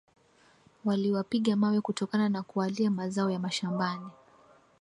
Waliwapiga mawe kutokana na kuwalia mazao ya mashambani